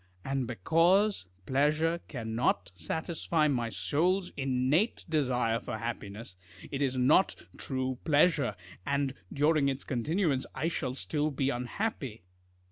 And because pleasure cannot satisfy my soul's innate desire for happiness, it is not true pleasure, and during its continuance I shall still be unhappy.